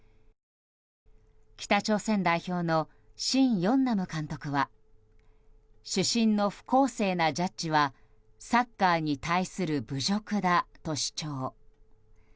北朝鮮代表のシン・ヨンナム監督は主審の不公正なジャッジはサッカーに対する侮辱だと主張。